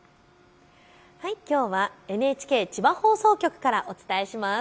きょうはＮＨＫ千葉放送局からお伝えします。